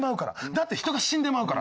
だって人が死んでまうから。